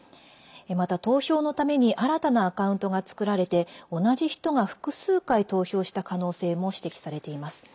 また、投票のために新たなアカウントが作られて同じ人が複数回、投票した可能性も指摘されています。